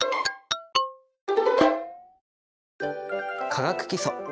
「化学基礎」